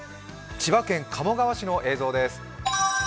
千葉県鴨川市の映像です。